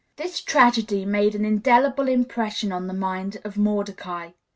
This tragedy made an indelible impression on the mind of Mordecai.